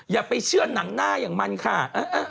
อย่าไปเชื่อหนังหน้าอย่างมันค่ะ